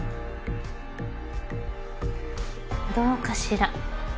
どうかしら。